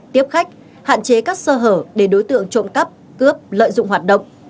tiếp khách hạn chế các sơ hở để đối tượng trộm cắp cướp lợi dụng hoạt động